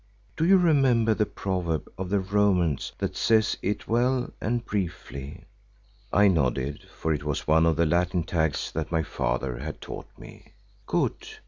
Do you remember the proverb of the Romans that says it well and briefly?" I nodded, for it was one of the Latin tags that my father had taught me. "Good.